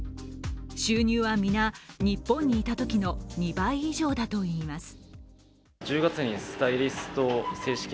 収入は皆、日本にいたときの２倍以上だといいます。